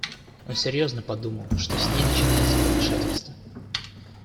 Он серьезно подумал, что с ней начинается помешательство.